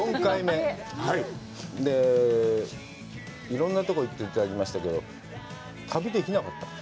いろんなとこ行っていただきましたけど、旅できなかった？